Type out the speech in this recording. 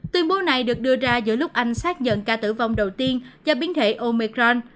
tuyên bố này được đưa ra giữa lúc anh xác nhận ca tử vong đầu tiên do biến thể omecron